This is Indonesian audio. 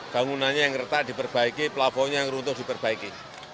bangunannya yang retak diperbaiki pelafonnya yang runtuh diperbaiki